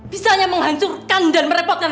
bisa hanya menghancurkan dan merepotkan